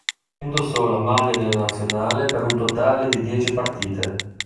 Indossò la maglia della nazionale per un totale di dieci partite.